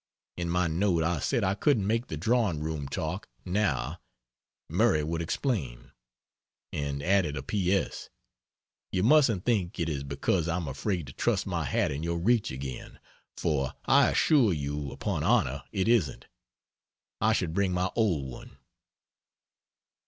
In my note I said I couldn't make the drawing room talk, now Murray would explain; and added a P. S.: "You mustn't think it is because I am afraid to trust my hat in your reach again, for I assure you upon honor it isn't. I should bring my old one."